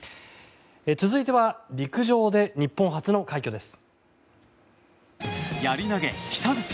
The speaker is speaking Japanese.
続いては陸上で日本初の快挙です。